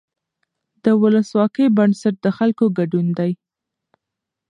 د ولسواکۍ بنسټ د خلکو ګډون دی